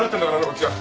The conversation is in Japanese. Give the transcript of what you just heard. こっちは。